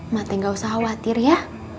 mati gak usah khawatir ya